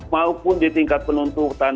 maupun di tingkat penuntutan